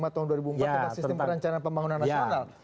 tentang sistem perancangan pembangunan nasional